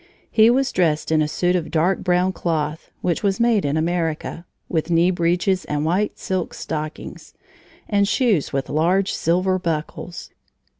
He was dressed in a suit of dark brown cloth (which was made in America) with knee breeches and white silk stockings, and shoes with large silver buckles.